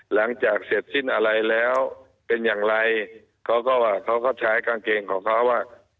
หลังจากเสร็จสิ้นอะไรแล้วเป็นอย่างไรเขาก็ว่าเขาก็ใช้กางเกงของเขาว่า